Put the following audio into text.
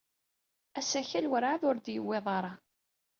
Asakal werɛad ur d-yewwiḍ ara.